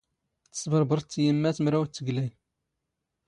ⵜⵙⴱⵕⴱⵕ ⴷ ⵜⵢⵎⵎⴰⵜ ⵎⵔⴰⵡⵜ ⵜⴳⵍⴰⵢ.